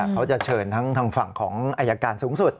เขาจะเชิญทั้งทางฝั่งของอายการสูงสุด